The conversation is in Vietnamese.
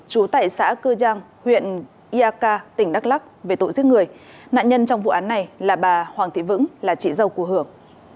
chú tại xã cư giang huyện iaka tỉnh đắk lắc về tội giết người nạn nhân trong vụ án này là bà hoàng thị vững là chị dâu của hưởng